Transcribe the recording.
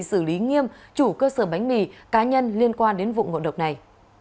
xử lý nghiêm chủ cơ sở bánh mì cá nhân liên quan đến vụ ngộ độc này